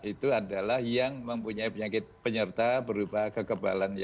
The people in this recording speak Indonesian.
itu adalah yang mempunyai penyakit penyerta berupa kekebalan